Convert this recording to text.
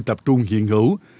tập trung hiện ngữ